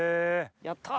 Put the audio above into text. やった！